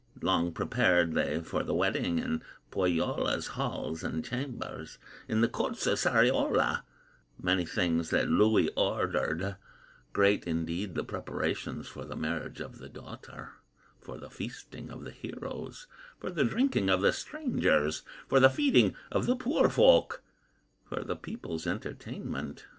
Long prepared they for the wedding In Pohyola's halls and chambers, In the courts of Sariola; Many things that Louhi ordered, Great indeed the preparations For the marriage of the daughter, For the feasting of the heroes, For the drinking of the strangers, For the feeding of the poor folk, For the people's entertainment.